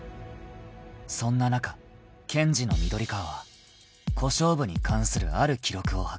［そんな中検事の緑川は小勝負に関するある記録を発見した］